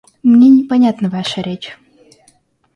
Мне непонятна ваша речь.